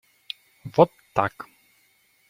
Вот так.